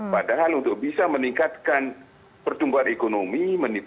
padahal untuk bisa meningkatkan pertumbuhan ekonomi